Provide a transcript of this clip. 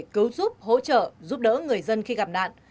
cứu giúp hỗ trợ giúp đỡ người dân khi gặp nạn